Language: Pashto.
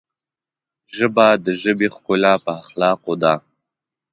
ژبه د ژبې ښکلا په اخلاقو ده